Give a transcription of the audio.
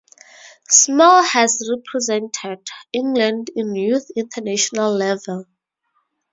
Small has represented England at youth international level.